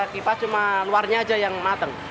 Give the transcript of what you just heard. kipas cuma luarnya aja yang mateng